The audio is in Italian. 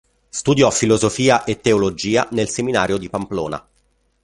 Studiò filosofia e teologia nel seminario di Pamplona.